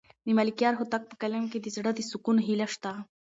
د ملکیار هوتک په کلام کې د زړه د سکون هیله شته.